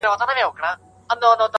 o په سل ځله دي غاړي ته لونگ در اچوم.